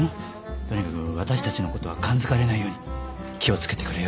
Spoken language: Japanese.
とにかく私たちのことは感づかれないように気を付けてくれよ。